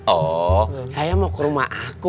oh saya mau ke rumah aku